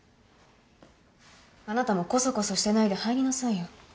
あなたもこそこそしてないで入りなさいよ。